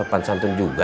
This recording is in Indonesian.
tetep menang benang ka